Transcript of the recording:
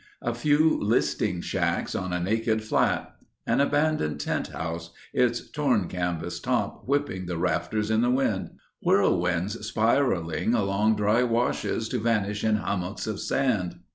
A few listing shacks on a naked flat. An abandoned tent house, its torn canvas top whipping the rafters in the wind. Whirlwinds spiraling along dry washes to vanish in hummocks of sand.